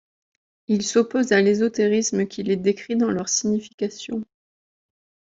Il s'oppose à l'ésotérisme qui les décrit dans leur signification.